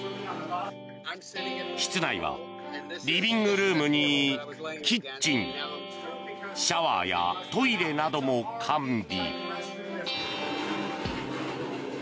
室内はリビングルームにキッチンシャワーやトイレなども完備。